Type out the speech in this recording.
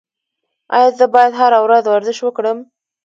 ایا زه باید هره ورځ ورزش وکړم؟